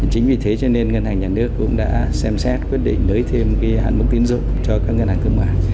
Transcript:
chính vì thế cho nên ngân hàng nhà nước cũng đã xem xét quyết định lấy thêm hạn mức tín dụng cho các ngân hàng thương mại